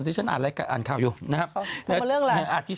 ตอนนี้ฉันอ่านรายการอ่านข้าวอยู่เพื่อเรื่องอะไร